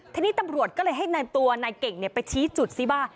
ทีนี้ตำรวจก็เลยให้นำตัวนายเก่งไปชี้จุดซิว่า